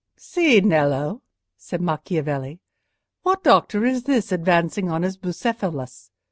"See, Nello!" said Macchiavelli, "what doctor is this advancing on his Bucephalus?